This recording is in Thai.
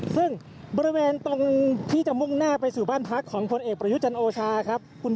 ซึ่งบริเวณตรงที่จะมุ่งหน้าไปสู่บ้านพักของพลเอกประยุจันทร์โอชาครับ